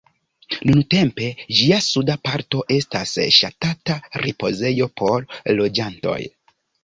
Nuntempe ĝia suda parto estas ŝatata ripozejo por loĝantoj.